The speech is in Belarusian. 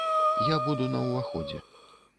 Я буду на ўваходзе.